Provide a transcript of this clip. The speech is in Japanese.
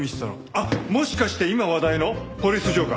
あっもしかして今話題の「ポリス浄化ぁ」？